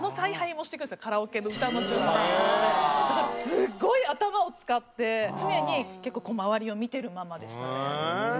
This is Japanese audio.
すごい頭を使って常に結構周りを見てるママでしたね。